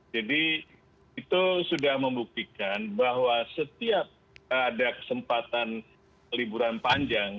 jadi itu sudah membuktikan bahwa setiap ada kesempatan liburan panjang